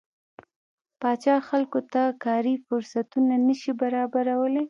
پاچا خلکو ته کاري فرصتونه نشي برابرولى.